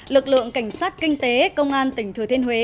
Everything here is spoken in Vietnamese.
lực lượng cảnh sát kinh tế công an tỉnh thừa thiên huế